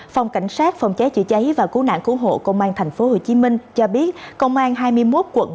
phòng cảnh sát phòng cháy chữa cháy và cứu nạn cứu hộ công an tp hcm cho biết công an hai mươi một quận